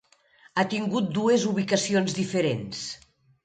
Ha tingut dues ubicacions diferents.